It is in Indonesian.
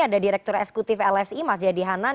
ada direktur esekutif lsi mas jadiyah dihanan